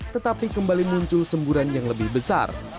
tetapi kembali muncul semburan yang lebih besar